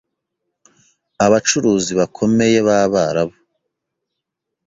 abacuruzi bakomeye b’Abarabu,